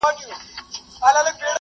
د برس پاک ساتل د ناروغۍ مخه نیسي.